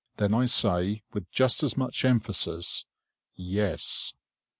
Then I say, with just as much emphasis, "YES."